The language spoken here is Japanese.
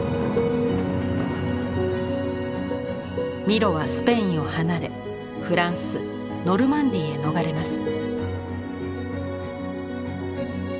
ミロはスペインを離れフランス・ノルマンディーへ逃れます。